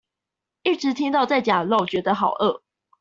一直聽到在講肉覺得好餓